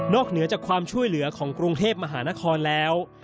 เหนือจากความช่วยเหลือของกรุงเทพมหานครแล้ว